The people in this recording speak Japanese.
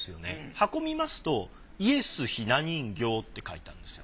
箱見ますと「イエス雛人形」って書いてあるんですよ。